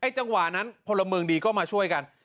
จังหวะนั้นพลเมืองดีก็มาช่วยกัน